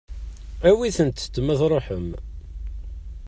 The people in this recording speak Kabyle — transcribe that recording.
Awit-tent ma tṛuḥem.